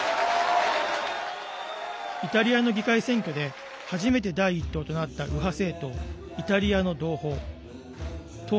イタリアの議会選挙で初めて第１党となった右派政党